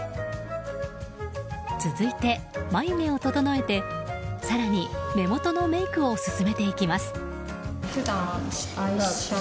続いて、まゆ毛を整えて更に、目元のメイクを進めていきます。